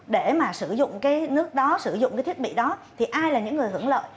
để mà sử dụng cái nước đó sử dụng cái thiết bị đó thì ai là những người hưởng lợi